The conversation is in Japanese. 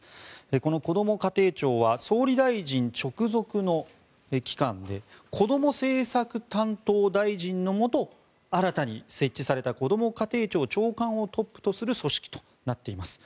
このこども家庭庁は総理大臣直属の機関でこども政策担当大臣のもと新たに設置されたこども家庭庁長官をトップとする組織となっています。